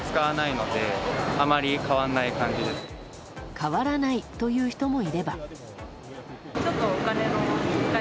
変わらないという人もいれば。